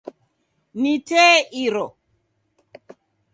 Ni tee iro.